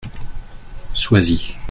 Sois-y.